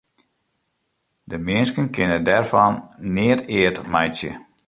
De minsken kinne dêr fan neat eat meitsje.